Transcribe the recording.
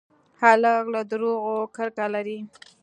هلک له دروغو کرکه لري.